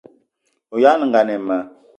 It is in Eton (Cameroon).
O ayag' nengan ayi ma